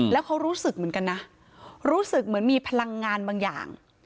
แล้วเขารู้สึกเหมือนกันนะรู้สึกเหมือนมีพลังงานบางอย่าง